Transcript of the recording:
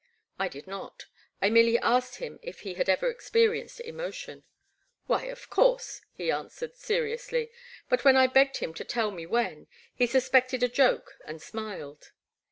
I did not; I merely asked him if he had ever experi enced emotion. Why, of course,'* he answered seriously, but when I begged him to tell me when, he suspected a joke and smiled.